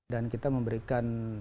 dan kita memberikan